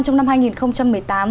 trong năm hai nghìn một mươi tám